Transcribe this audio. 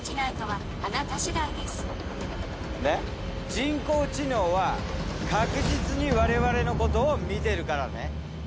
人工知能は確実に我々のことを見てるからね。